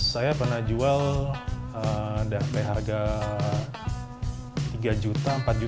saya pernah jual dengan harga tiga juta empat juta per nasi gitu